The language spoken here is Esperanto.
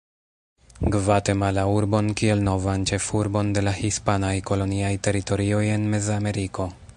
Gvatemala-urbon kiel novan ĉefurbon de la hispanaj koloniaj teritorioj en Mezameriko.